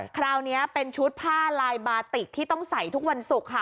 คราวนี้เป็นชุดผ้าลายบาติกที่ต้องใส่ทุกวันศุกร์ค่ะ